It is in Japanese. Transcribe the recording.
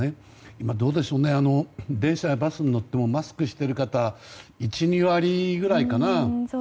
今、電車やバスに乗ってもマスクしている方１２割ぐらいかな。